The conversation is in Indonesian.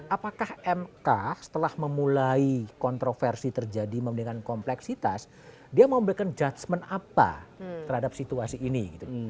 apakah mk setelah memulai kontroversi terjadi memberikan kompleksitas dia mau memberikan judgement apa terhadap situasi ini gitu